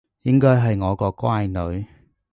應該係我個乖女